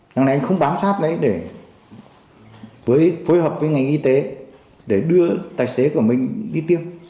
năm nay anh không bám sát đấy để phối hợp với ngành y tế để đưa tài xế của mình đi tiêm